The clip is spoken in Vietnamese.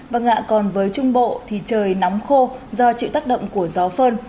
và ngạ còn với trung bộ thì trời nóng khô do chịu tác động của gió phơn